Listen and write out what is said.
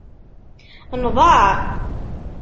Nḍaε.